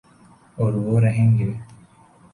اوروہ رہیں گے